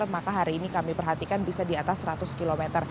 maka hari ini kami perhatikan bisa di atas seratus km